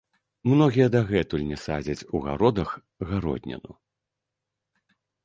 Многія дагэтуль не садзяць у гародах гародніну.